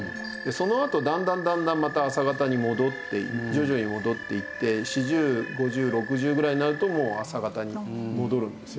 そのあとだんだんだんだんまた朝型に戻って徐々に戻っていって４０５０６０ぐらいになるともう朝型に戻るんですよ。